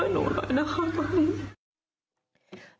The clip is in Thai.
ขอบคุณครับ